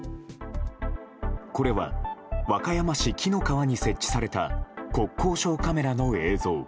これは和歌山市紀の川に設置された国交省カメラの映像。